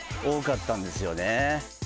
多かったんですよね。